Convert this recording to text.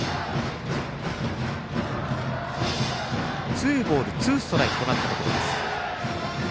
ツーボールツーストライクとなったところです。